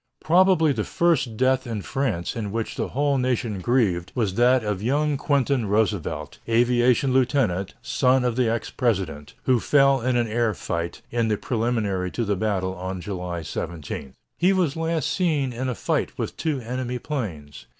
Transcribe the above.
Probably the first death in France in which the whole nation grieved was that of young Quentin Roosevelt, aviation lieutenant, son of the ex President, who fell in an air fight in the preliminary to the battle on July 17. He was last seen in a fight with two enemy planes.